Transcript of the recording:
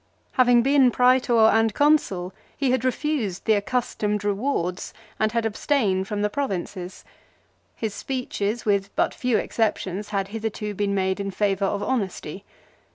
Having been Prsetor and Consul he had refused the accustomed rewards and had abstained from the Pro vinces. His speeches with but few exceptions had hitherto been made in favour of honesty.